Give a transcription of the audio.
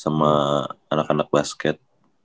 sama anak anak basket